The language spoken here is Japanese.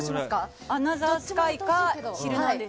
「アナザースカイ」か「ヒルナンデス！」。